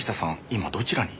今どちらに？